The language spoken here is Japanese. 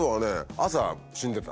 朝死んでた。